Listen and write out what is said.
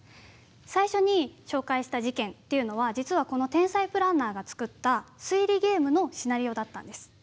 最初に紹介した事件というのは実はこの天才プランナーが作った推理ゲームのシナリオだったんです。